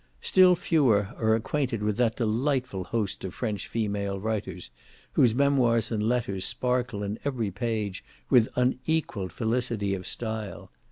Still fewer are acquainted with that delightful host of French female writers, whose memoirs and letters sparkle in every page with unequalled felicity of style.